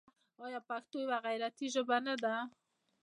آیا پښتو یوه غیرتي ژبه نه ده؟